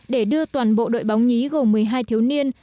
để đưa toàn bộ đội bóng nhí gồm một mươi hai thiếu niên